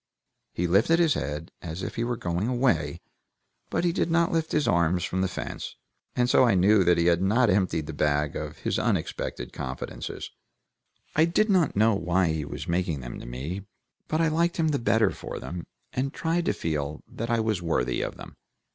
He lifted his head, as if he were going away, but he did not lift his arms from the fence, and so I knew that he had not emptied the bag of his unexpected confidences; I did not know why he was making them to me, but I liked him the better for them, and tried to feel that I was worthy of them.